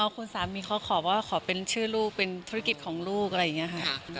คุณสามีเขาขอว่าขอเป็นชื่อลูกเป็นธุรกิจของลูกอะไรอย่างนี้ค่ะ